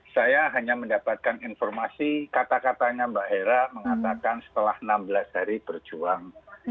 saya hanya mendapatkan informasi kata katanya mbak hera mengatakan setelah enam belas hari berjuang